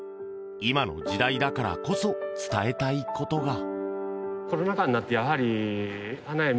今の時代だからこそ伝えたいことが。